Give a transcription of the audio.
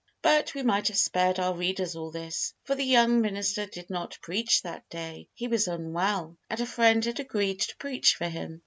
But we might have spared our readers all this, for the young minister did not preach that day. He was unwell, and a friend had agreed to preach for him.